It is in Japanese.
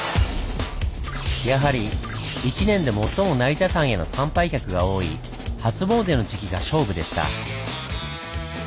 やはり一年で最も成田山への参拝客が多い初詣の時期が勝負でした。